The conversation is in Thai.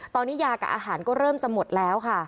ตอนนี้ยากับอาหารก็เริ่มจะหมดแล้วค่ะ